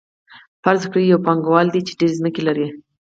فرض کړئ یو پانګوال دی چې ډېرې ځمکې لري